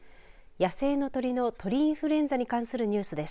野生の鳥の、鳥インフルエンザに関するニュースです。